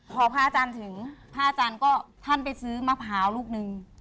พอพระอาจารย์ถึงพระอาจารย์ก็ท่านไปซื้อมะพร้าวลูกนึง